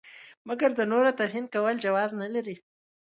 مګر د نورو توهین کول جواز نه لري.